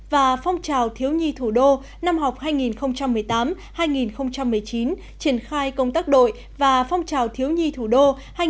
và phong trào thiếu nhi thủ đô năm học hai nghìn một mươi tám hai nghìn một mươi chín triển khai công tác đội và phong trào thiếu nhi thủ đô hai nghìn một mươi hai nghìn một mươi chín